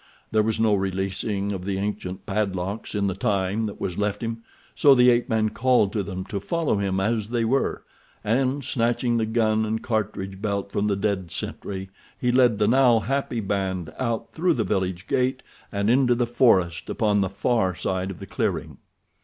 There was no releasing of the ancient padlocks in the time that was left him, so the ape man called to them to follow him as they were, and, snatching the gun and cartridge belt from the dead sentry, he led the now happy band out through the village gate and into the forest upon the far side of the clearing.